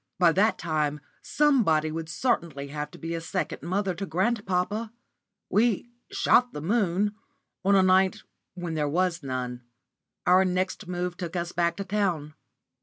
By that time somebody would certainly have to be a second mother to grandpapa. We "shot the moon" on a night when there was none. Our next move took us back to town.